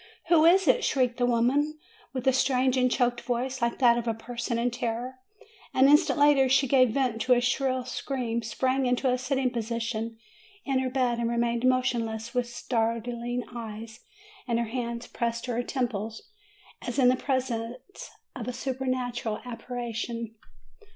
"Who is it?" shrieked the woman, with a strange and choked voice, like that of a person in terror. An instant later she gave vent to a shrill scream, sprang into a sitting posture in her bed, and remained motion less, with starting eyes, and her hands pressed to her 294 MAY temples, as in the presence of a supernatural appari tion.